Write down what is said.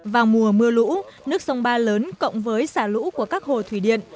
vào mùa mưa lũ nước sông ba lớn cộng với xả lũ của các hồ thủy điện